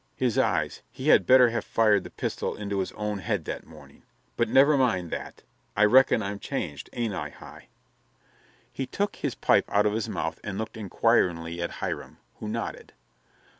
his eyes he had better have fired the pistol into his own head that morning. But never mind that. I reckon I'm changed, ain't I, Hi?" He took his pipe out of his mouth and looked inquiringly at Hiram, who nodded.